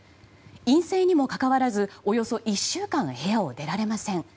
陰性にもかかわらずおよそ１週間部屋を出られません。